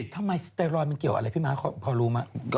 ทำไมสเตรอยด์มันเกี่ยวอะไรพี่ม้าพอรู้ไหม